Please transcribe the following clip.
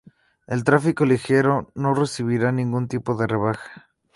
El tráfico ligero no recibirá ningún tipo de rebaja.